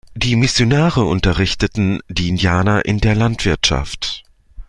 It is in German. Die Missionare unterrichteten die Indianer in der Landwirtschaft.